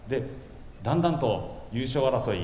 だんだんと優勝争い